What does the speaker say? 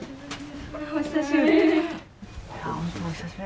本当お久しぶり。